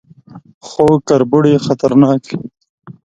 _خو کربوړي خطرناکه دي.